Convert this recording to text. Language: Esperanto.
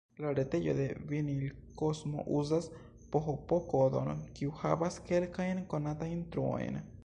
La retejo de Vinilkosmo uzas php-kodon, kiu havas kelkajn konatajn truojn.